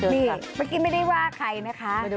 นี่เมื่อกี้ไม่ได้ว่าใครนะคะ